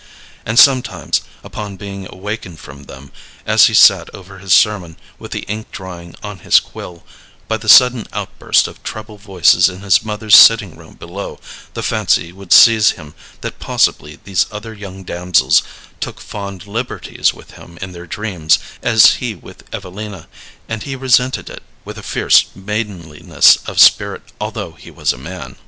And sometimes, upon being awakened from them, as he sat over his sermon with the ink drying on his quill, by the sudden outburst of treble voices in his mother's sitting room below, the fancy would seize him that possibly these other young damsels took fond liberties with him in their dreams, as he with Evelina, and he resented it with a fierce maidenliness of spirit, although he was a man.